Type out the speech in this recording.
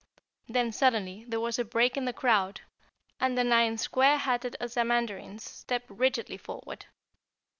Then suddenly there was a break in the crowd and the nine square hatted Ozamandarins stepped rigidly forward.